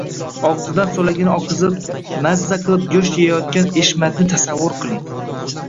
og‘zidan so‘lagini oqizib, mazza qilib go‘sht yeyayotgan Eshmatni tasavvur qiling!